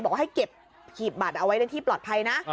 บอกว่าให้เก็บหีบบัตรเอาไว้ในที่ปลอดภัยนะ